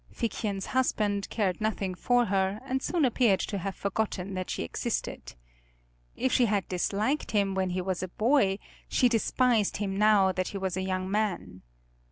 Figchen's husband cared nothing for her, and soon appeared to have forgotten that she existed. If she had disliked him when he was a boy she despised him now that he was a young man.